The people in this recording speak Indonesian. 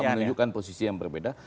itu juga menunjukkan posisi yang berbeda